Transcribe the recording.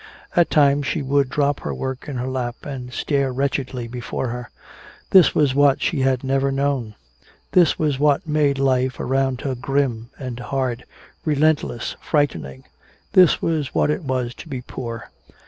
At times she would drop her work in her lap and stare wretchedly before her. This was what she had never known; this was what made life around her grim and hard, relentless, frightening; this was what it was to be poor.